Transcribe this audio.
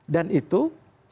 dan itu sangat jauh